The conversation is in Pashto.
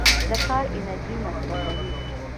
د کار انرژي مصرفوي.